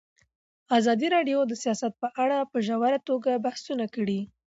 ازادي راډیو د سیاست په اړه په ژوره توګه بحثونه کړي.